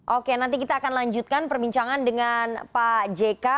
oke nanti kita akan lanjutkan perbincangan dengan pak jk